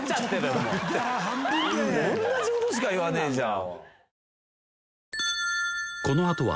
もう同じことしか言わねえじゃん